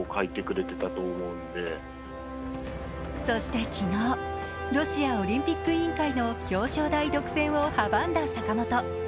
そして昨日、ロシアオリンピック委員会の表彰台独占を阻んだ坂本。